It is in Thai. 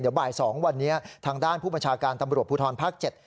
เดี๋ยวบ่าย๒วันนี้ทางด้านผู้บัญชาการตำรวจภูทรภาค๗